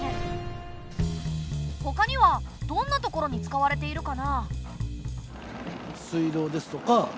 ほかにはどんなところに使われているかな？